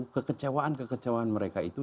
kekecewaan kekecewaan mereka itu